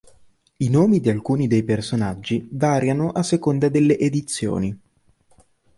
I nomi di alcuni dei personaggi variano a seconda delle edizioni.